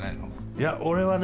いや俺はね